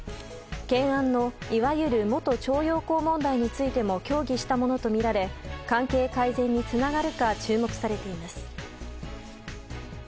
懸案の、いわゆる元徴用工問題についても協議したものとみられ関係改善につながるか注目されています。